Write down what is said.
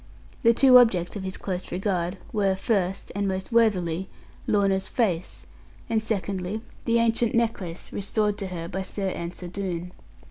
The two objects of his close regard, were first, and most worthily, Lorna's face, and secondly, the ancient necklace restored to her by Sir Ensor Doone.